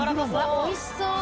おいしそう。